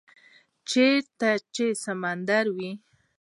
- چیرته چې سمندر وی،